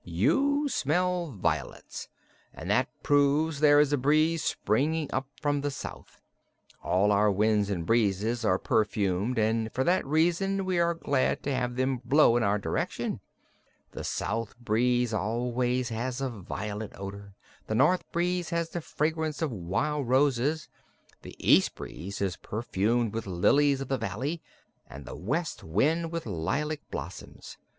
"You smell violets, and that proves there is a breeze springing up from the south. All our winds and breezes are perfumed and for that reason we are glad to have them blow in our direction. The south breeze always has a violet odor; the north breeze has the fragrance of wild roses; the east breeze is perfumed with lilies of the valley and the west wind with lilac blossoms.